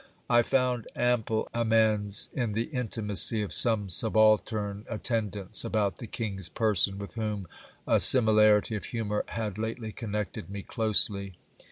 I found ample '■ amends in the intimacy of some subaltern attendants about the king's person, I with whom a similarity of humour had lately connected me closely.